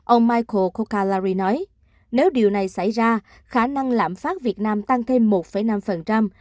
ông michael kokalari nói nếu điều này xảy ra khả năng lãm phát việt nam tăng thêm một ba kể từ đầu năm